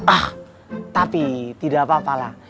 ah tapi tidak apa apalah